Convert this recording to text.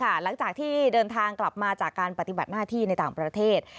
หลังจากที่เดินทางกลับมาจากการปฏิบัติหน้าที่ในต่างประเทศ